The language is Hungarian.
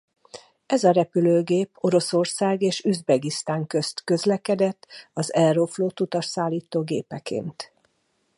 Ez a repülőgép Oroszország és Üzbegisztán közt közlekedett az Aeroflot utasszállító gépeként.